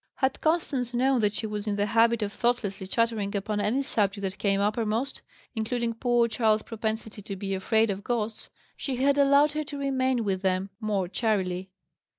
Had Constance known that she was in the habit of thoughtlessly chattering upon any subject that came uppermost, including poor Charles's propensity to be afraid of ghosts, she had allowed her to remain with them more charily.